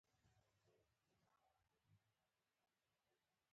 غرونه د افغانستان د کلتور او فولکلور برخه ده.